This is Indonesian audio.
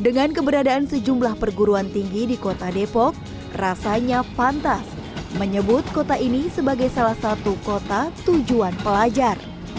dengan keberadaan sejumlah perguruan tinggi di kota depok rasanya pantas menyebut kota ini sebagai salah satu kota tujuan pelajar